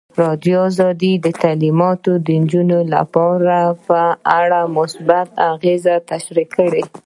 ازادي راډیو د تعلیمات د نجونو لپاره په اړه مثبت اغېزې تشریح کړي.